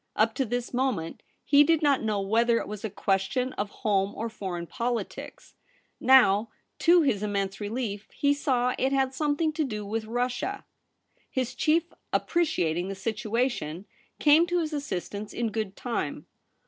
Up to this moment he did not know whether it was a question of home or foreign politics. Now, to his immense relief, he saw it had something to do with Russia. His chief, appreciating the situation, came to his assistance in good time.